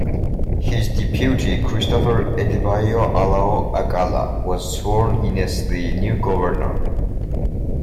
His deputy, Christopher Adebayo Alao-Akala, was sworn in as the new governor.